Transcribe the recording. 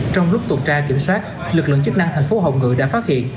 trong lúc tuần tra kiểm soát lực lượng chức năng thành phố hồng ngự đã phát hiện